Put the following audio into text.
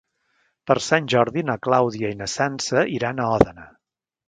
Per Sant Jordi na Clàudia i na Sança iran a Òdena.